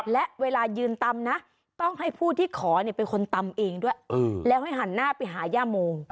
และเวลายืนตำนะต้องให้ผู้ที่ขอเป็นคนตำเองด้วยแล้วให้หันหน้าไปหาย่าโม